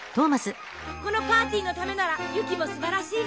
このパーティーのためなら雪もすばらしいね！